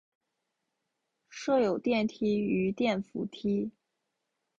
设有电梯与电扶梯。